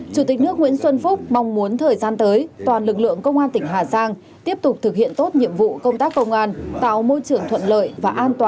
chủ tịch nước nguyễn xuân phúc mong muốn thời gian tới toàn lực lượng công an tỉnh hà giang